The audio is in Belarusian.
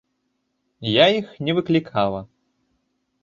Я іх не выклікала.